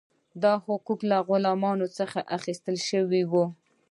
دا حقوق له غلامانو څخه اخیستل شوي وو.